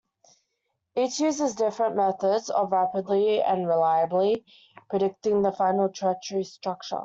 Each uses different methods of rapidly and reliably predicting the final tertiary structure.